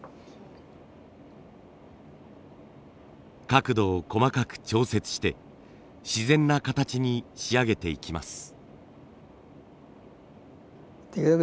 角度を細かく調節して自然な形に仕上げていきます。